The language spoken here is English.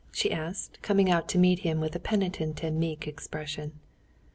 she asked, coming out to meet him with a penitent and meek expression.